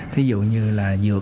thí dụ như là dược